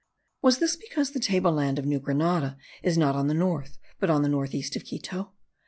Was this because the table land of New Granada is not on the north, but on the north east of Quito?